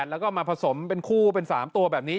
แล้วก็มาผสมเป็นคู่เป็น๓ตัวแบบนี้